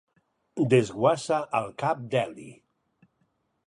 Desguassa al cap Deli.